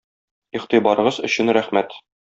Игътибарыгыз өчен рәхмәт!